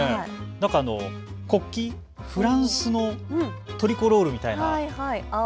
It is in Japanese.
なんかフランスのトリコロールみたいな。